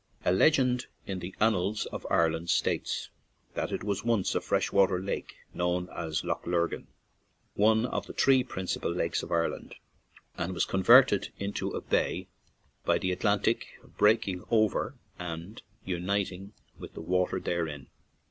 A legend in the annals of Ireland states that it was once a fresh water lake known as Lough Lurgan, one of the three principal lakes in Ireland, and was converted into a bay by the Atlantic breaking over and unit ing with the water therein.